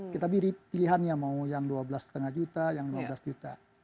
kita pilih pilihan yang mau yang dua belas lima juta yang dua belas juta